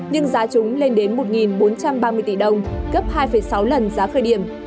nhưng giá chúng lên đến một bốn trăm ba mươi tỷ đồng gấp hai sáu lần giá khởi điểm